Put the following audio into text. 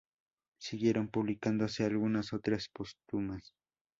Siguieron publicándose algunas obras póstumas.